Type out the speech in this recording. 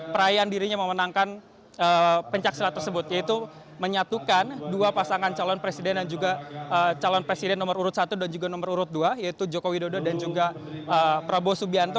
perayaan dirinya memenangkan pencaksilat tersebut yaitu menyatukan dua pasangan calon presiden dan juga calon presiden nomor urut satu dan juga nomor urut dua yaitu joko widodo dan juga prabowo subianto